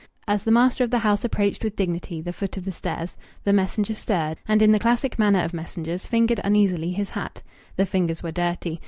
As the master of the house approached with dignity the foot of the stairs, the messenger stirred, and in the classic manner of messengers fingered uneasily his hat. The fingers were dirty.